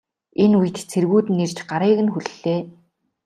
Энэ үед цэргүүд нь ирж гарыг нь хүллээ.